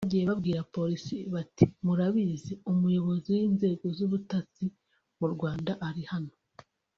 Bagiye babwira Polisi bati ‘murabizi umuyobozi w’inzego z’ubutasi mu Rwanda ari hano